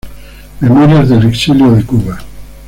Memorias del exilio de Cuba".